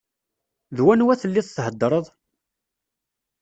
D wanwa telliḍ theddreḍ?